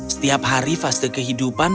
setiap hari fase kehidupan